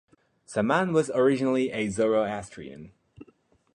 Saman was originally a Zoroastrian.